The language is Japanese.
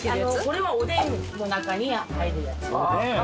これはおでんの中に入るやつ。